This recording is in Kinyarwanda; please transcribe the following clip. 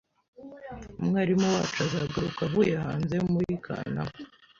Umwarimu wacu azagaruka avuye hanze muri Kanama